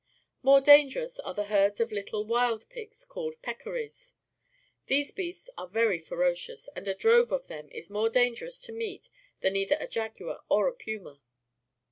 More dangerous are the herds of little wild pigs called peccaries. These beasts are very ferocious, and a drove of them is more dangerous either a jaguar or a puma.